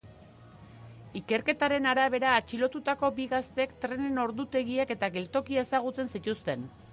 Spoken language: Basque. Ikerketaren arabera, atxilotutako bi gazteek trenen ordutegiak eta geltokia ezagutzen zituzten.